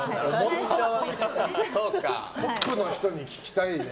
トップの人に、聞きたいね